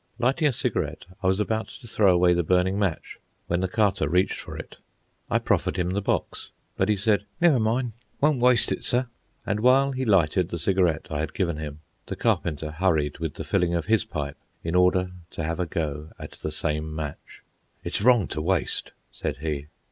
Lighting a cigarette, I was about to throw away the burning match when the Carter reached for it. I proffered him the box, but he said, "Never mind, won't waste it, sir." And while he lighted the cigarette I had given him, the Carpenter hurried with the filling of his pipe in order to have a go at the same match. "It's wrong to waste," said he.